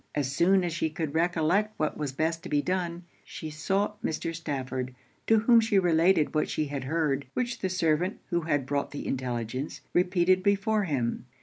As soon as she could recollect what was best to be done, she sought Mr. Stafford, to whom she related what she had heard, which the servant who had brought the intelligence repeated before him.